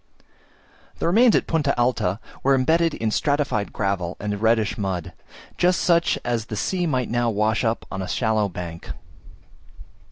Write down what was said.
The remains at Punta Alta were embedded in stratified gravel and reddish mud, just such as the sea might now wash up on a shallow bank.